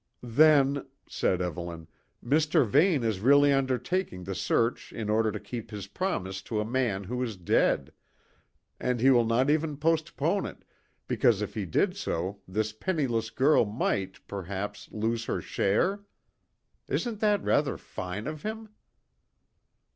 "Then," said Evelyn, "Mr. Vane is really undertaking the search in order to keep his promise to a man who is dead; and he will not even postpone it, because if he did so this penniless girl might, perhaps, lose her share? Isn't that rather fine of him?"